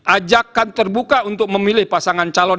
ajakkan terbuka untuk memilih pasangan calon